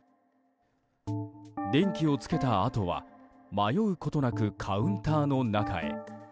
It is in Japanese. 電気をつけたあとは迷うことなくカウンターの中へ。